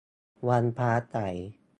วันฟ้าใส